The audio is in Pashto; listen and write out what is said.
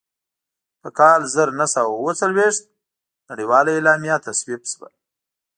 په کال زر نهه سوه اووه څلوېښت نړیواله اعلامیه تصویب شوه.